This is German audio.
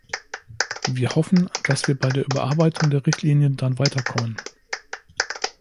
Wir hoffen, dass wir bei der Überarbeitung der Richtlinie dann weiterkommen.